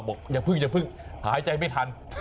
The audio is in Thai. อย่าเพิ่งหายใจไม่ทัน